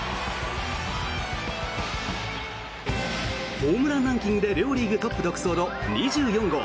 ホームランランキングで両リーグトップ独走の２４号。